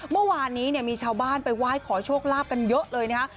เมื่อวานนี้เนี่ยมีชาวบ้านไปไหว้ขอโชคลาภกันเยอะเลยนะฮะ